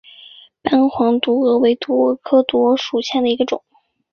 顶斑黄毒蛾为毒蛾科黄毒蛾属下的一个种。